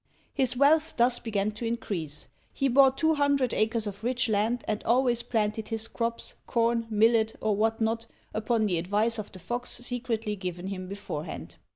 His wealth thus began to increase; he bought two hundred acres of rich land, and always planted his crops, corn, millet, or what not, upon the advice of the fox secretly given him beforehand.